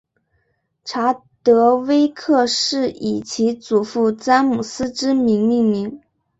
查德威克是以其祖父詹姆斯之名命名。